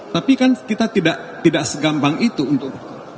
tapi kan kita tidak segampang itu untuk